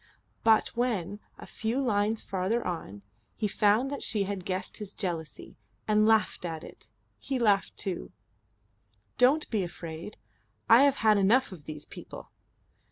But when, a few lines farther on, he found that she had guessed his jealousy and laughed at it, he laughed too. "Don't be afraid. I have had enough of these people."